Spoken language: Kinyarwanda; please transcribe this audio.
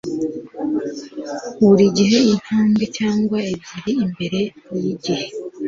Buri gihe ni intambwe cyangwa ebyiri imbere yigihe.